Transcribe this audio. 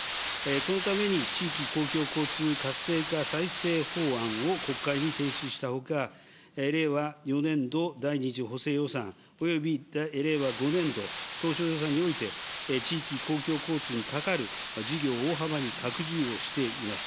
このために地域公共交通活性化再生法案を国会に提出したほか、令和４年度第２次補正予算および令和５年度当初予算において、地域公共交通にかかる事業を大幅に拡充しています。